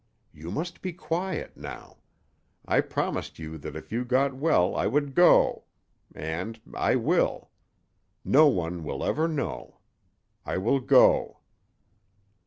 "You must be quiet now. I promised you that if you got well I would go. And I will. No one will ever know. I will go."